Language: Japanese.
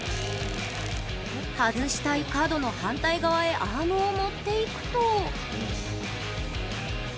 外したい角の反対側へアームを持っていくと。